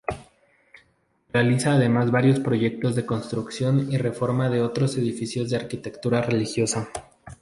Realiza además varios proyectos de construcción y reforma de otros edificios de arquitectura religiosa.